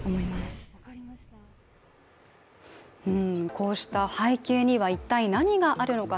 こうした背景には一体何があるのか。